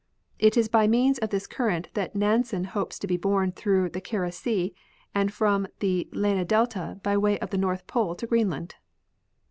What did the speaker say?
It is by means of this current that Nansen hopes to be borne through the Kara sea and from the Lena delta by way of the north pole to Greenland.